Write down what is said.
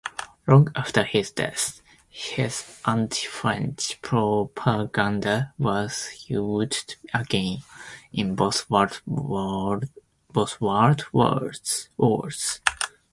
Long after his death, his anti-French propaganda was used again, in both World Wars.